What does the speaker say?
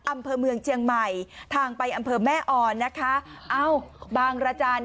อำเภอเมืองเชียงใหม่ทางไปอำเภอแม่อ่อนนะคะเอ้าบางรจันทร์